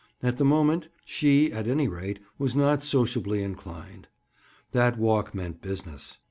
At the moment, she, at any rate, was not sociably inclined. That walk meant business.